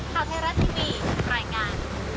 ข้าวเทราสตร์ทีวีปล่อยการ